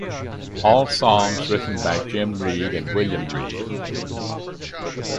All songs written by Jim Reid and William Reid.